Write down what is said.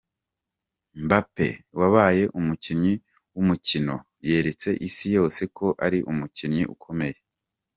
Mbappe wabaye umukinnyi w’umukino yeretse isi yose ko ari umukinnyi ukomeye.